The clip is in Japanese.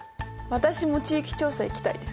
私も地域調査行きたいです。